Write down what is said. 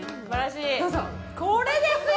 これですよ！